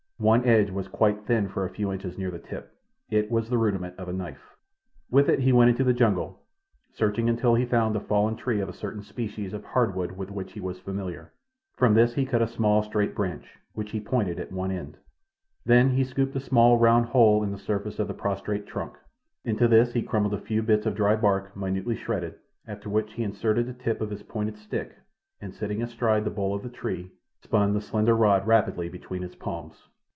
One edge was quite thin for a few inches near the tip. It was the rudiment of a knife. With it he went into the jungle, searching until he found a fallen tree of a certain species of hardwood with which he was familiar. From this he cut a small straight branch, which he pointed at one end. Then he scooped a small, round hole in the surface of the prostrate trunk. Into this he crumbled a few bits of dry bark, minutely shredded, after which he inserted the tip of his pointed stick, and, sitting astride the bole of the tree, spun the slender rod rapidly between his palms.